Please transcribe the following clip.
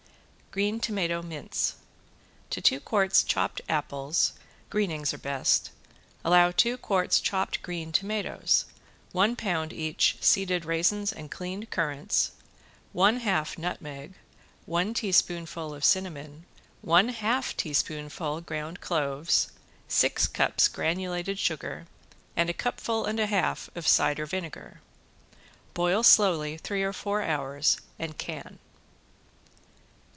~GREEN TOMATO MINCE~ To two quarts chopped apples, greenings are best, allow two quarts chopped green tomatoes, one pound each seeded raisins and cleaned currants, one half nutmeg, one teaspoonful of cinnamon, one half teaspoonful ground cloves, six cups granulated sugar and a cupful and a half of cider vinegar. Boil slowly three or four hours and can.